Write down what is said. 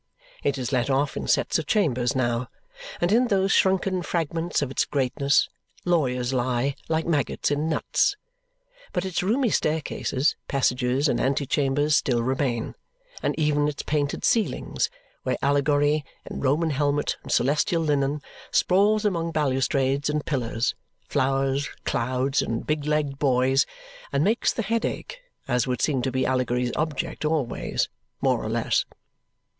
It is let off in sets of chambers now, and in those shrunken fragments of its greatness, lawyers lie like maggots in nuts. But its roomy staircases, passages, and antechambers still remain; and even its painted ceilings, where Allegory, in Roman helmet and celestial linen, sprawls among balustrades and pillars, flowers, clouds, and big legged boys, and makes the head ache as would seem to be Allegory's object always, more or less.